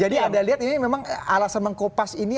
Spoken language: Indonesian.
jadi anda lihat ini memang alasan mengkopas ini